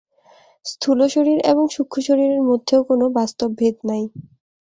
স্থূলশরীর এবং সূক্ষ্মশরীরের মধ্যেও কোন বাস্তব ভেদ নাই।